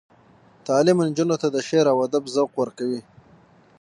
تعلیم نجونو ته د شعر او ادب ذوق ورکوي.